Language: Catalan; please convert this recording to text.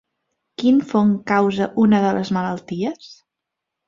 Quin fong causa una de les malalties?